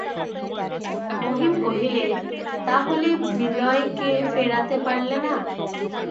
মহিম কহিলেন, তা হলে বিনয়কে ফেরাতে পারলে না?